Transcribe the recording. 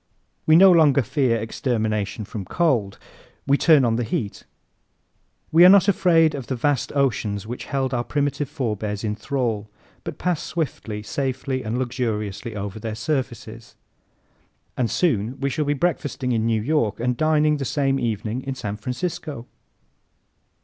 We no longer fear extermination from cold. We turn on the heat. We are not afraid of the vast oceans which held our primitive forebears in thrall, but pass swiftly, safely and luxuriously over their surfaces. And soon we shall be breakfasting in New York and dining the same evening in San Francisco!